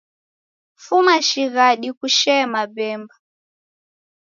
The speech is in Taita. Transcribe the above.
Fuma shighadi kushee mabemba.